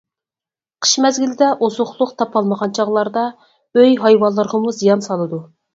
قىش مەزگىلىدە ئوزۇقلۇق تاپالمىغان چاغلاردا ئۆي ھايۋانلىرىغىمۇ زىيان سالىدۇ.